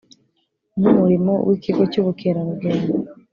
N umurimo w ikigo cy ubukerarugendo